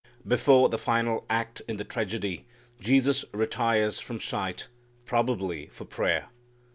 Before the final act in the tragedy Jesus retires from sight, probably for prayer.